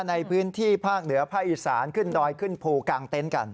ในพื้นที่ภาคเหนือภาคอีสานขึ้นดอยขึ้นภูกางเต็นต์กัน